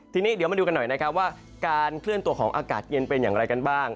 ทีนี้เดี๋ยวมาดูกันหน่อยนะครับว่าการเคลื่อนตัวของอากาศเย็นเป็นอย่างไรกันบ้าง